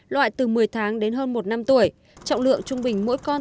loại từ một mươi tháng đến hơn một năm tuổi trọng lượng trung bình mỗi con